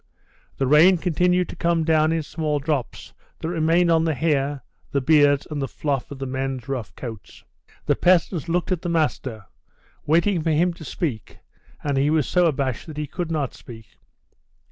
The rain continued to come down in small drops, that remained on the hair, the beards, and the fluff of the men's rough coats. The peasants looked at "the master," waiting for him to speak, and he was so abashed that he could not speak.